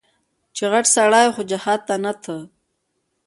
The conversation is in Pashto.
چې غټ سړى و خو جهاد ته نه ته.